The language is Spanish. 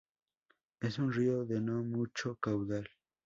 Es un río de no mucho caudal.